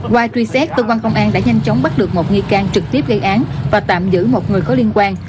qua truy xét cơ quan công an đã nhanh chóng bắt được một nghi can trực tiếp gây án và tạm giữ một người có liên quan